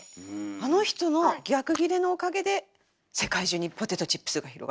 あの人の逆ギレのおかげで世界中にポテトチップスが広がった。